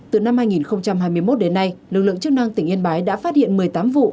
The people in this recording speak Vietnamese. từ năm hai nghìn hai mươi một đến nay lực lượng chức năng tỉnh yên bái đã phát hiện một mươi tám vụ